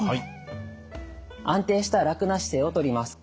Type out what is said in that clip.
安定した楽な姿勢をとります。